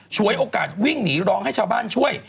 ฉวยโอกาสวิ่งหนีร้องให้ชาวบ้านช่วย